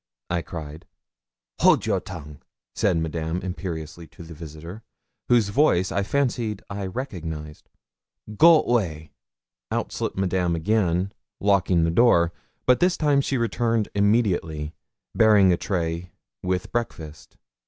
I cried. 'Hold a your tongue,' said Madame imperiously to the visitor, whose voice I fancied I recognised 'go way.' Out slipped Madame again, locking the door; but this time she returned immediately, bearing a tray with breakfast.